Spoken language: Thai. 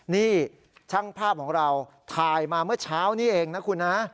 นี่ช่างภาพของเราถ่ายมาเมื่อเช้านี้เองนะคุณนะ